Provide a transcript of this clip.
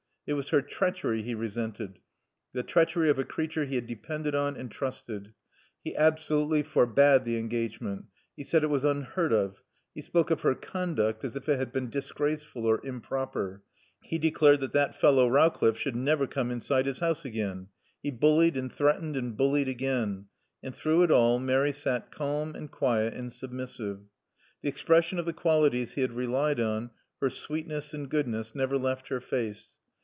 It was her treachery he resented, the treachery of a creature he had depended on and trusted. He absolutely forbade the engagement. He said it was unheard of. He spoke of her "conduct" as if it had been disgraceful or improper. He declared that "that fellow" Rowcliffe should never come inside his house again. He bullied and threatened and bullied again. And through it all Mary sat calm and quiet and submissive. The expression of the qualities he had relied on, her sweetness and goodness, never left her face.